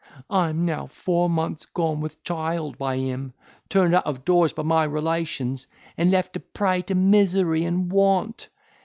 I am now four months gone with child by him, turned out of doors by my relations, and left a prey to misery and want!